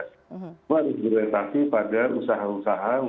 itu harus berorientasi pada usaha usaha